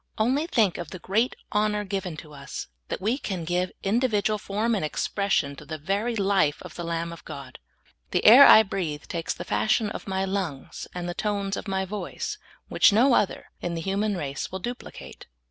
Only think of the great honor given to us, that we can give individ ual form and expression to the very life of the Lamb of God. The air I breathe takes the fashion of my lungs and the tones of my voice which no other in the human race will duplicate.